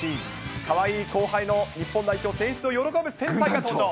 かわいい後輩の日本代表選出を喜ぶ先輩が登場。